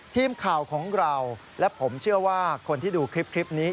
ทีมข่าวของเราและผมเชื่อว่าคนที่ดูคลิปนี้